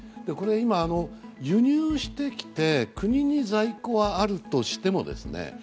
今、輸入してきて国に在庫はあるとしてもですね